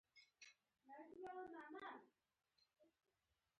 آیا پراخ پرتوګ د پښتنو ملي لباس نه دی؟